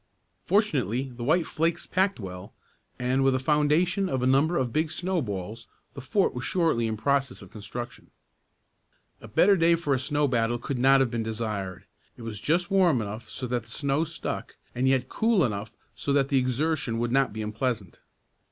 Fortunately the white flakes packed well, and with a foundation of a number of big snowballs the fort was shortly in process of construction. A better day for a snow battle could not have been desired. It was just warm enough so that the snow stuck, and yet cool enough so that the exertion would not be unpleasant.